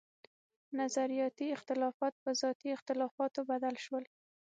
نظرياتي اختلافات پۀ ذاتي اختلافاتو بدل شو